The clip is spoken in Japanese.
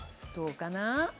どうかな？